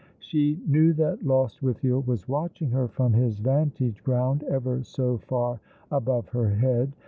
She knew that Lostwithiol was watching her from his vantage ground ever so far above her head.